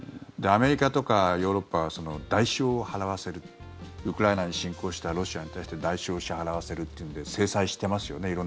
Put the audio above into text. アメリカとかヨーロッパは代償を払わせるウクライナに侵攻したロシアに対して代償を支払わせるっていうんで制裁してますよね